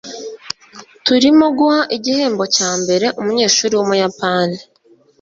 turimo guha igihembo cyambere umunyeshuri wumuyapani